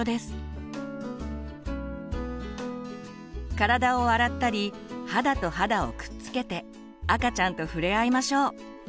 体を洗ったり肌と肌をくっつけて赤ちゃんと触れ合いましょう。